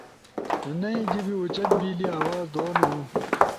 نئی جیِب اُوچت بیلی، آواز دونو